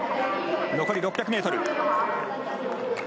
残り６００。